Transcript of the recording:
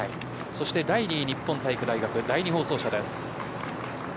第２位、日本体育大学第２放送車です。